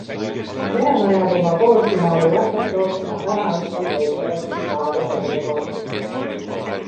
Venemaa jääb oma poolfinaalivastast ootama täna õhtul peetavast Itaalia-Serbia kohtumisest.